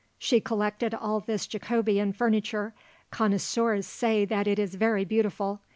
She collected all this Jacobean furniture; connoisseurs say that it is very beautiful.